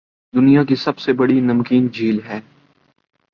دنیاکی سب سے بڑی نمکین جھیل ہے